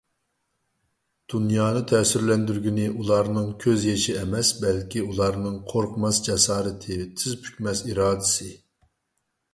دۇنيانى تەسىرلەندۈرگىنى ئۇلارنىڭ كۆز يېشى ئەمەس، بەلكى ئۇلارنىڭ قورقماس جاسارىتى، تىز پۈكمەس ئىرادىسى.